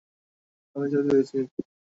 আমি ছবিতে সেটি দেখেছি।